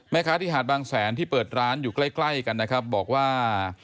ที่หาดบางแสนที่เปิดร้านอยู่ใกล้ใกล้กันนะครับบอกว่า